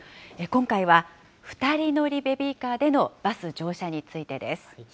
今回は２人乗りベビーカーでのバス乗車についてです。